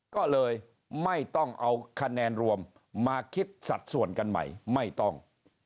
ก็เลยไม่ต้องเอาคะแนนรวมมาคิดสัดส่วนกันใหม่ไม่ต้อง